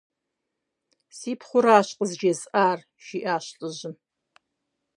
- Си пхъуращ къызжезыӏар, - жиӀащ лӀыжьым.